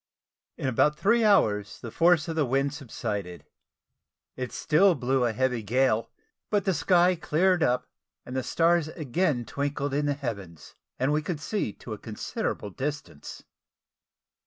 In about three hours the force of the wind subsided. It still blew a heavy gale; but the sky cleared up, the stars again twinkled in the heavens, and we could see to a considerable distance.